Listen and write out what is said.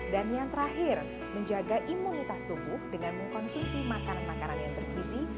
dan yang terakhir menjaga imunitas tubuh dengan mengkonsumsi makanan makanan yang berkisi